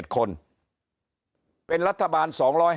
๗คนเป็นรัฐบาล๒๕๖